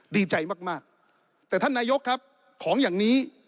ดีใจมากมากแต่ท่านนายกครับของอย่างนี้